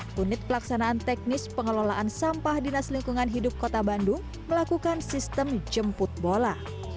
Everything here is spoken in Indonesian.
untuk membuang sampah berukuran besar unit pelaksanaan teknis pengelolaan sampah dinas lingkungan hidup kota bandung melakukan sistem jemput bola